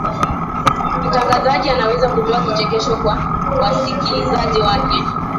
mtangazaji anaweza kutoa kichekesho kwa wasikilizaji wake